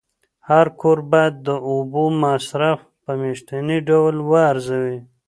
هر کور باید د اوبو مصرف په میاشتني ډول وارزوي.